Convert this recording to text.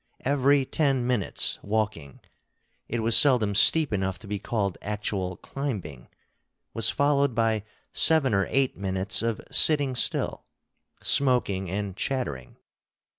Every ten minutes' walking it was seldom steep enough to be called actual climbing was followed by seven or eight minutes of sitting still, smoking and chattering.